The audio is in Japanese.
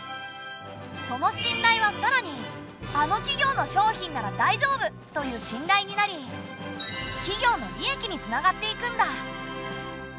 その信頼はさらに「あの企業の商品ならだいじょうぶ！」という信頼になり企業の利益につながっていくんだ。